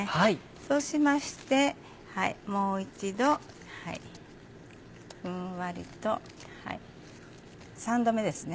そうしましてもう一度ふんわりと３度目ですね